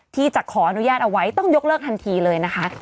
ที่จะขออนุญาตเอาไว้ต้องยกเลิกทันทีเลยนะคะ